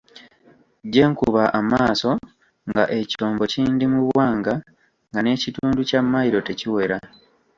Gye nkuba amaaso nga ekyombo kindi mu bwanga nga n'ekitundu kya mailo tekiwera.